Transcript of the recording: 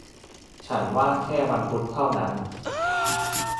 ฉันว่างแค่วันพุธเท่านั้น